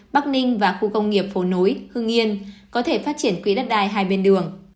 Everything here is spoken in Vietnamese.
bắc ninh và khu công nghiệp phố nối hưng yên có thể phát triển quỹ đất đai hai bên đường